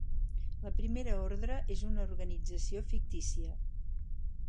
La Primera Ordre és una organització fictícia